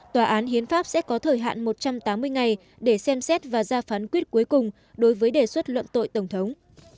tòa án hiến pháp sẽ có thời hạn một trăm tám mươi ngày để xem xét và ra phán quyết cuối cùng đối với đề xuất luận tội tổng thống